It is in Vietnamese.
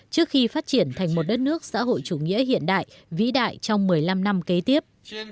trước khi phát triển thành một đất nước xã hội chủ nghĩa hiện đại vĩ đại trong một mươi năm năm kế tiếp